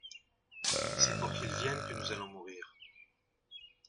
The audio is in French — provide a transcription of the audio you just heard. Et c'est pour qu'il vienne que nous allons mourir.